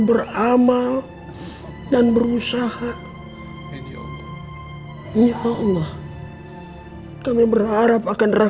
beramal dan berusaha n increasingly dunno all oh ya allah kami berharap akan rahmatmu